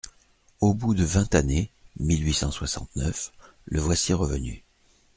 Au bout de vingt années, mille huit cent soixante-neuf, le voici revenu.